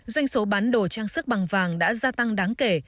doanh số bán đồ trang sức bằng vàng đã gia tăng đáng kể